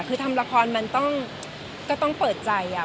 คือทำระครมันต้องก็ต้องเปิดใจอ่ะ